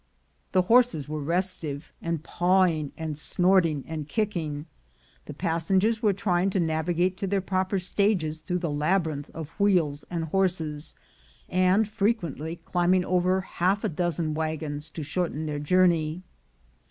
The horses were restive, and pawing, and snorting, and kicking; and passengers were trying to navigate to their proper stages through the labyrinth of wheels and horses, and frequently climbing over half a dozen wagons to shorten their journey.